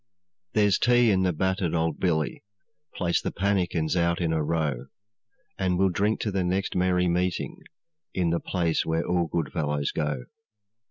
'There's tea in the battered old billy; Place the pannikins out in a row, And we'll drink to the next merry meeting, In the place where all good fellows go.